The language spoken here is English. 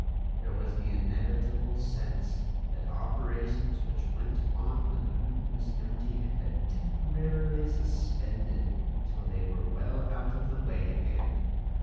There was the inevitable sense that operations which went on when the room was empty had been temporarily suspended till they were well out of the way again.